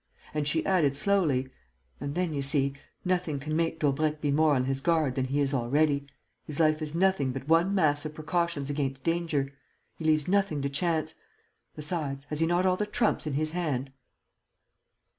And she added, slowly, "And then, you see, nothing can make Daubrecq be more on his guard than he is already. His life is nothing but one mass of precautions against danger. He leaves nothing to chance.... Besides, has he not all the trumps in his hand?"